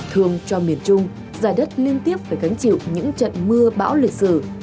thường trong miền trung dài đất liên tiếp phải gánh chịu những trận mưa bão lịch sử